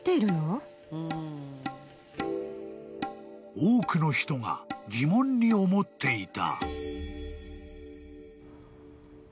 ［多くの人が疑問に思っていた］